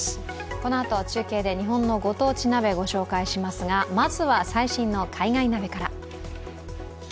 このあと中継で日本のご当地鍋紹介しますがまずは最新の海外鍋から。